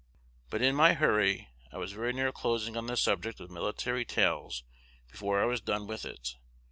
"But, in my hurry, I was very near closing on this subject of military tails before I was done with it.